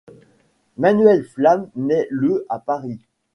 Manuel Flam naît le à Paris.